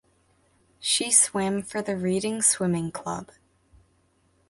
She swam for Reading Swimming Club.